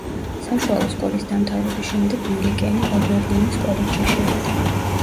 საშუალო სკოლის დამთავრების შემდეგ მილიკენი ობერლინის კოლეჯში შევიდა.